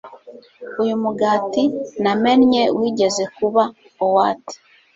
uyu mugati namennye wigeze kuba oat